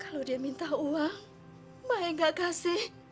kalau dia minta uang mak e gak kasih